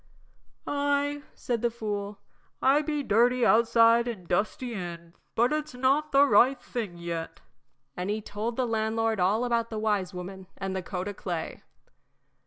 "Ay," said the fool, "I be dirty outside an' dusty in, but it's not the right thing yet." And he told the landlord all about the wise woman and the coat o' clay.